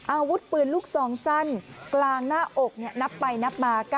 อาวุธปืนลูกซองสั้นกลางหน้าอกนับไปนับมา